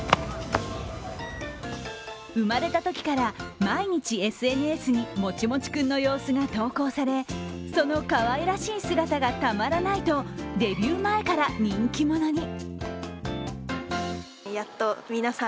生まれたときから毎日ＳＮＳにもちもち君の様子が投稿されそのかわいらしい姿がたまらないとデビュー前から人気者に。